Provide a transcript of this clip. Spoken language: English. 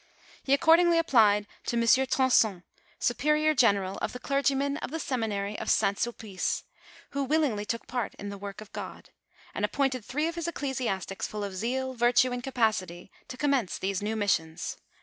He accord ingly applied to Monsieur Tronjon, superior general of the clergymen of the seminary of St. Sulpice, who willingly took part in the work of God, and appointed three of his ecclesi astics full of zeal, virtue, and capacity, to commence these new missions.